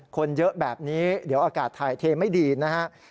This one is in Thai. คนเยอะแบบนี้เดี๋ยวอากาศถ่ายเทไม่ดีนะครับ